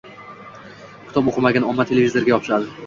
Kitob o`qimagan omma televizorga yopishadi